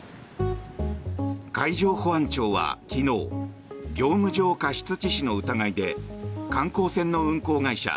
海上保安庁は昨日業務上過失致死の疑いで観光船の運航会社